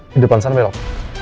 di depan sana belok